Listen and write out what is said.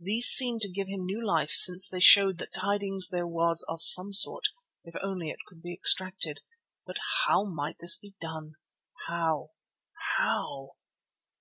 These seemed to give him new life since they showed that tidings there was of some sort, if only it could be extracted. But how might this be done? How? How?